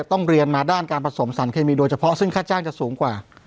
ต้องเรียนมาด้านการผสมสารเคมีโดยเฉพาะซึ่งค่าจ้างจะสูงกว่า